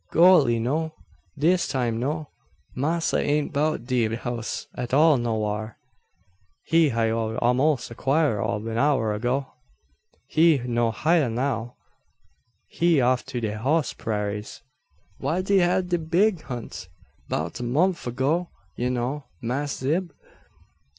"Golly, no. Dis time no. Massa ain't 'bout de house at all nowhar. He wa' hya a'most a quarrer ob an hour ago. He no hya now. He off to de hoss prairas wha de hab de big hunt 'bout a momf ago. You know, Mass' Zeb?"